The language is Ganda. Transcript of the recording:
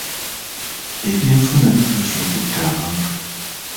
Ebyenfuna bituuse okutta abantu.